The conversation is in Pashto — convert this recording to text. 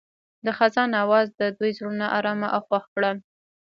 د خزان اواز د دوی زړونه ارامه او خوښ کړل.